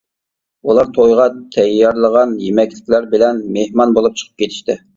ئۇلار تويغا تەييارلىغان يېمەكلىكلەر بىلەن مېھمان بولۇپ چىقىپ كېتىشتى.